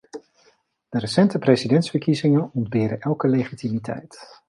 De recente presidentsverkiezingen ontberen elke legitimiteit.